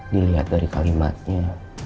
dilihat dari kalimatnya